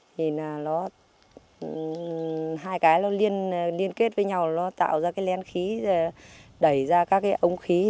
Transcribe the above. hai cái nó liên kết với nhau nó tạo ra cái lén khí đẩy ra các cái ống khí